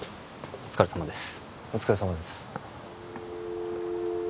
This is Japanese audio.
お疲れさまです